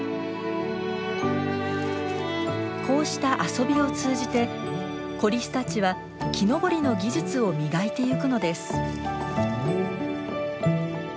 こうした遊びを通じて子リスたちは木登りの技術を磨いていくのです。